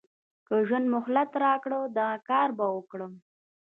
که ژوند مهلت راکړ دغه کار به وکړم.